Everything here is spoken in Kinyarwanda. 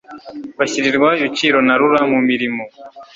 bashyirirwaho ibiciro na RURA mu mirimo